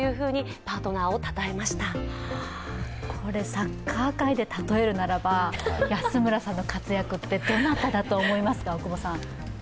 サッカー界で例えるならば、安村さんの活躍って、どなただと思いますか？